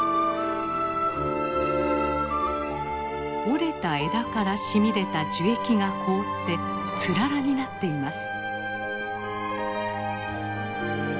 折れた枝から染み出た樹液が凍ってつららになっています。